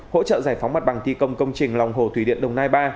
hỗ trợ giải phóng mặt bằng thi công công trình lòng hồ thủy điện đồng nai ba